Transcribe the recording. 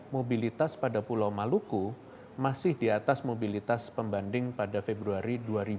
mobilitas pada pulau maluku masih di atas mobilitas pembanding pada februari dua ribu dua puluh